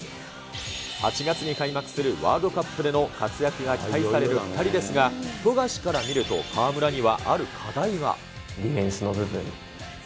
８月に開幕するワールドカップでの活躍が期待される２人ですが、富樫から見ると、河村にはあディフェンスの部分。